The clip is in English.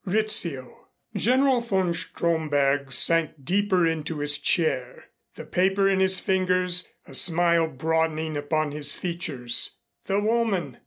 RIZZIO. General von Stromberg sank deeper into his chair, the paper in his fingers, a smile broadening upon his features. The woman!